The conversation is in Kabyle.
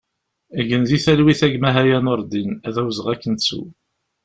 Gen di talwit a gma Haya Nureddin, d awezɣi ad k-nettu!